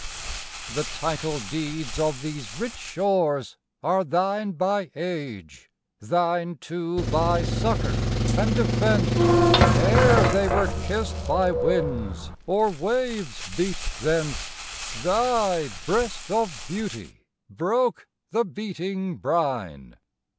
The title deeds of these rich shores are thine By age, thine, too, by succor and defence; Ere they were kissed by winds, or waves beat thence, Thy breast of beauty broke the beating brine.